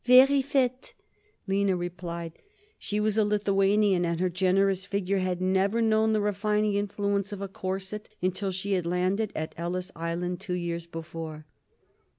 "Very fat," Lina replied. She was a Lithuanian and her generous figure had never known the refining influence of a corset until she had landed at Ellis Island two years before.